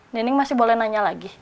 neneng masih boleh nanya lagi